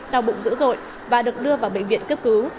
đau bụng dữ dội và được đưa vào bệnh viện cấp cứu